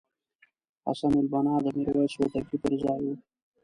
حسن البناء د میرویس هوتکي پرځای وو.